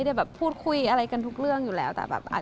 ควบคุยหรือเปล่า